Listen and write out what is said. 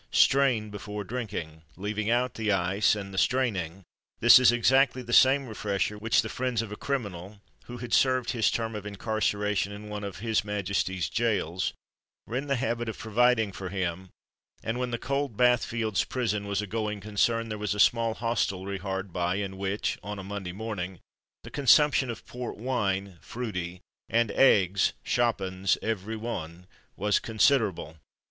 Strain before drinking. Leaving out the ice and the straining, this is exactly the same "refresher" which the friends of a criminal, who had served his term of incarceration in one of H.M. gaols, were in the habit of providing for him; and when the Cold Bath Fields Prison was a going concern, there was a small hostelry hard by, in which, on a Monday morning, the consumption of port wine (fruity) and eggs ("shop 'uns," every one) was considerable.